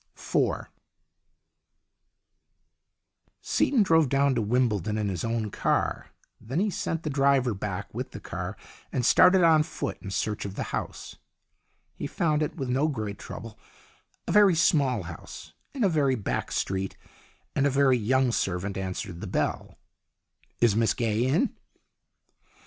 IV SEATON drove down to Wimbledon in his own car. Then he sent the driver back with the car and started on foot in search of the house. He found it with no great trouble a very small house in a very back street and a very young servant answered the bell. "Is Miss Gaye in?"